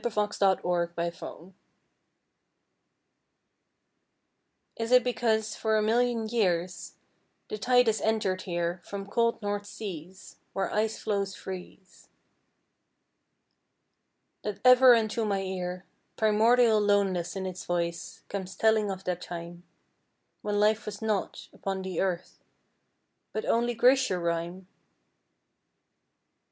FROM A NORTHERN BEACH Is it because for a million years The tide has entered here From cold north seas Where ice floes freeze That ever unto my ear Primordial loneness in its voice Comes telling of that time When life was not, upon the earth, But only glacier rime?